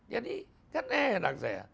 jadi kan enak saya